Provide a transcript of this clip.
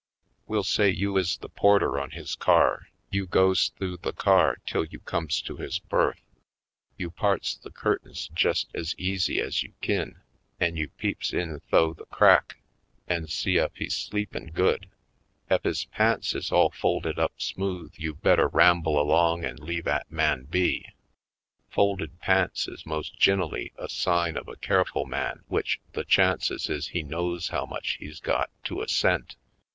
We'll say you is the porter on his car. You goes th'ough the car till you comes to his berth. You parts the curtains jest ez easy ez you kin an' you peeps in th'ough the crack an' see ef he's sleepin' good. Ef his pants is ail folded up smooth you better ramble along an' leave 'at man be. Folded pants is most gine'lly a sign of a careful man w'ich the chances is he knows how much he's got to a cent.